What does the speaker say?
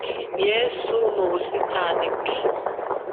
yesu mu busitani bwe